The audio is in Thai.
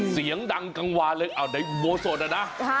เสียงดังกังวานเลยอ้าวในอุโบสถอะนะ